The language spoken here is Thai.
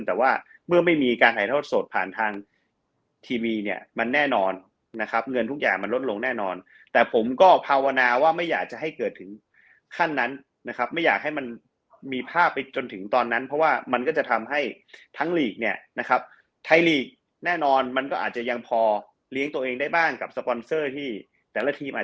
แต่ว่าเมื่อไม่มีการถ่ายทอดสดผ่านทางทีวีเนี่ยมันแน่นอนนะครับเงินทุกอย่างมันลดลงแน่นอนแต่ผมก็ภาวนาว่าไม่อยากจะให้เกิดถึงขั้นนั้นนะครับไม่อยากให้มันมีภาพไปจนถึงตอนนั้นเพราะว่ามันก็จะทำให้ทั้งลีกเนี่ยนะครับไทยลีกแน่นอนมันก็อาจจะยังพอเลี้ยงตัวเองได้บ้างกับสปอนเซอร์ที่แต่ละทีมอา